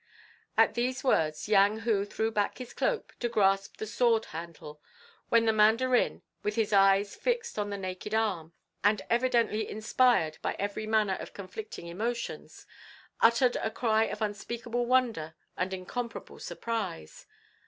At these words Yang Hu threw back his cloak to grasp the sword handle, when the Mandarin, with his eyes fixed on the naked arm, and evidently inspired by every manner of conflicting emotions, uttered a cry of unspeakable wonder and incomparable surprise.